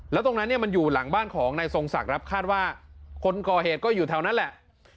แล้วตรงนั้นเนี่ยมันอยู่หลังบ้านของนายทรงศักดิ์ครับคาดว่าคนก่อเหตุก็อยู่แถวนั้นแหละ